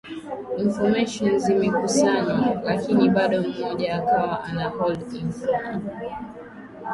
information zimekusanywa lakini bado mmoja akawa ana hold informa